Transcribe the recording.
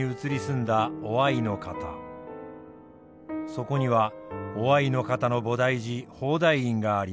そこには於愛の方の菩提寺宝台院があります。